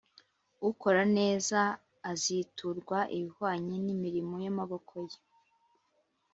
Ukora neza aziturwa ibihwanye n ‘imirimo y’ amaboko ye